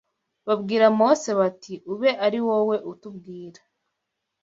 Babwira Mose bati ube ari wowe utubwira